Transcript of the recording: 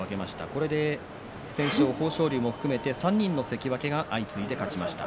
これで不戦勝、豊昇龍も含めて３人の関脇が相次いで勝ちました。